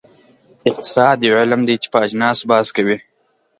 اقتصاد یو علم دی چې په اجناسو بحث کوي.